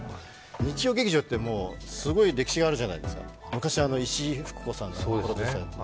日曜劇場ってすごい歴史があるじゃないですか昔、石井ふく子さんがプロデューサーやってた。